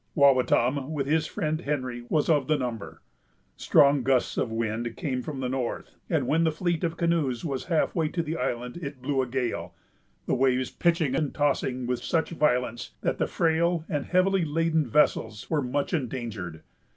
Wawatam, with his friend Henry, was of the number. Strong gusts of wind came from the north, and when the fleet of canoes was half way to the Island, it blew a gale, the waves pitching and tossing with such violence, that the frail and heavy laden vessels were much endangered.